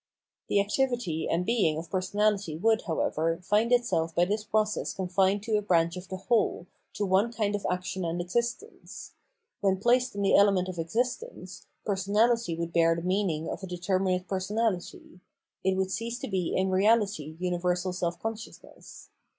The activity and being of personahty would, however, find itself by this process confined to a branch of the whole, to one kind of action and existence ; when placed in the element of existence, personahty would bear the meaning of a determinate personahty ; it would cease to be in reahty universal self consciousness.